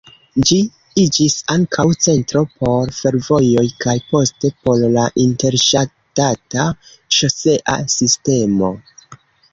Ĝi iĝis ankaŭ centro por fervojoj, kaj poste por la interŝtata ŝosea sistemo.